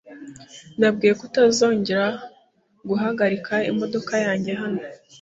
Nabwiwe kutazongera guhagarika imodoka yanjye hano.